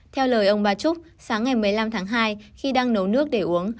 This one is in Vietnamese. theo lời ông bà trúc sáng ngày một mươi năm tháng hai khi đang nấu nước để uống